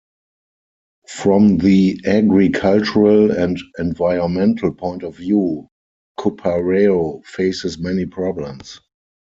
From the agricultural and environmental point of view, Cupareo faces many problems.